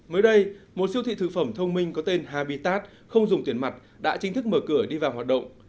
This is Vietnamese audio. mới đây một siêu thị thực phẩm thông minh có tên habitat không dùng tiền mặt đã chính thức mở cửa đi vào hoạt động